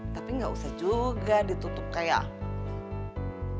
tapi nggak usah juga ditutup kayak